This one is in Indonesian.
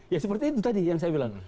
ya seperti itu tadi yang saya bilang